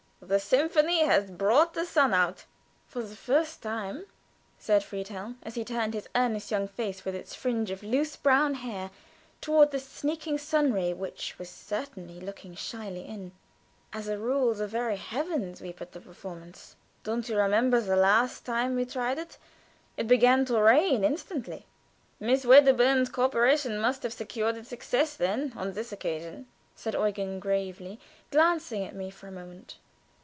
The symphony has brought the sun out." "For the first time," said Friedhelm, as he turned his earnest young face with its fringe of loose brown hair toward the sneaking sun ray, which was certainly looking shyly in. "As a rule the very heavens weep at the performance. Don't you remember the last time we tried it, it began to rain instantly?" "Miss Wedderburn's co operation must have secured its success then on this occasion," said Eugen, gravely, glancing at me for a moment.